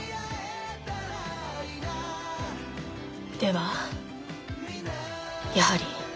ではやはり。